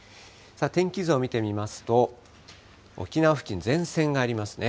天気図を見てみますと、沖縄付近、前線がありますね。